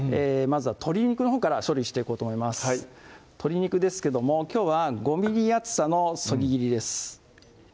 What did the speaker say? まずは鶏肉のほうから処理していこうと思います鶏肉ですけどもきょうは５ｍｍ厚さの削ぎ切りです